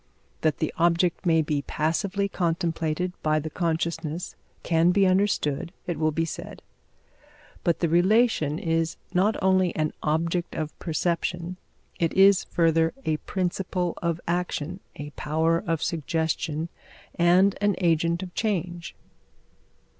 That the object may be passively contemplated by the consciousness can be understood, it will be said; but the relation is not only an object of perception it is, further, a principle of action, a power of suggestion, and an agent of change.